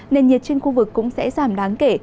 nền nhiệt trên khu vực cũng sẽ giảm đáng kể